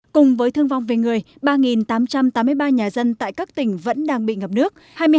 cùng với thương vong về người ba tám trăm tám mươi ba nhà dân tại các tỉnh vẫn đang bị ngập nước